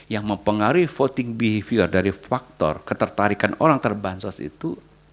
yang mempengaruhi voting behavior dari faktor ketertarikan orang terbansos itu